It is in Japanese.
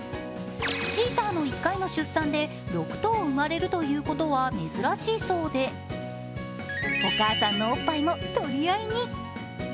チーターの１回の出産で６頭生まれるということは珍しいそうでお母さんのおっぱいも取り合いに。